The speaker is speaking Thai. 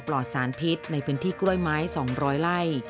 ปลอดสารพิษในพื้นที่กล้วยไม้๒๐๐ไร่